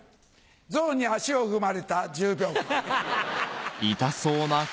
ゾウに足を踏まれた１０秒間。